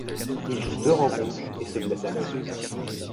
Il joue deux rencontres et se blesse à l'œil.